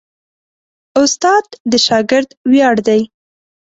استاد د شاګرد ویاړ دی.